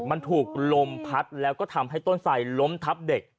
มันถูกลมพัดแล้วก็ทำให้ต้นไสล้มทับเด็ก